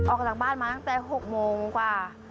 ออกจากบ้านมาตั้งแต่๖โมงกว่า